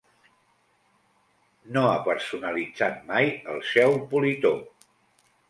No ha personalitzat mai el seu politó.